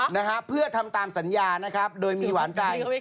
แล้วเพื่อทำตามสัญญาโดยมีหวานใจ